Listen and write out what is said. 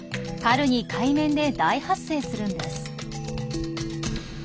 春に海面で大発生するんです。